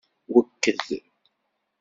Wekked.